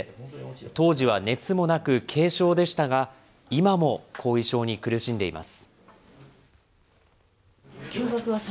当時は熱もなく軽症でしたが、今も後遺症に苦しんでいます。